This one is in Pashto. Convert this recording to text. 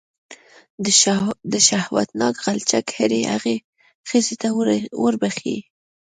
دا شهوتناک غلچک هرې هغې ښځې ته وربښې.